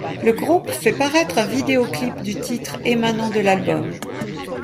Le groupe fait paraître un vidéoclip du titre ' émanant de l'album '.